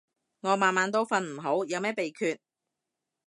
我晚晚都瞓唔好，有咩秘訣